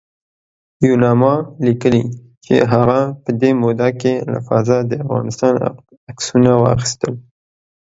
یوناما لیکلي چې هغه په دې موده کې له فضا د افغانستان عکسونه واخیستل